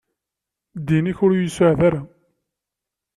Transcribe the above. Ddin-ik ur iyi-suɛed ara.